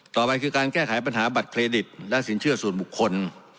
ต่อไปคือการแก้ไขปัญหาบัตรเครดิตและสินเชื่อส่วนบุคคล